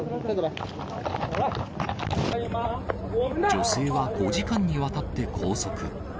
女性は５時間にわたって拘束。